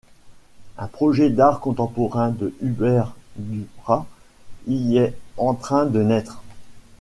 Un projet d'art contemporain de Hubert Duprat y est en train de naitre.